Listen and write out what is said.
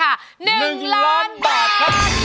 ๑ล้านบาทครับ